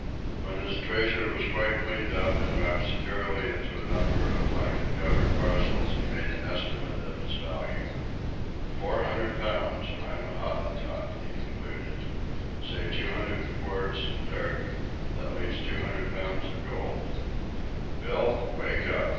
When his treasure was quite cleaned up and wrapped securely into a number of blanket covered parcels, he made an estimate of its value. "Four hundred pounds, or I'm a Hottentot," he concluded. "Say two hundred in quartz an' dirt that leaves two hundred pounds of gold. Bill! Wake up!